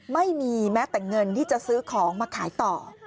ไม่มีแม้แต่เงินที่จะซื้อของมาขายต่อ